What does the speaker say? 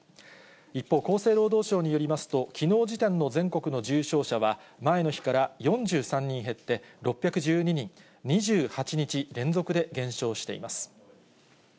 一方、厚生労働省によりますと、きのう時点の全国の重症者は、前の日から４３人減って６１２人、２８日連続で減少しています。